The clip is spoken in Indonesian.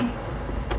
terima kasih ya